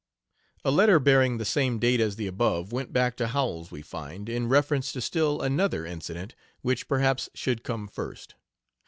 A letter bearing the same date as the above went back to Howells, we find, in reference to still another incident, which perhaps should come first.